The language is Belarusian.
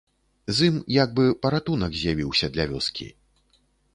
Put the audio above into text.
З ім як бы паратунак з'явіўся для вёскі.